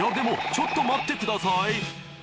ちょっと待ってくださいっ！！